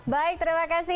baik terima kasih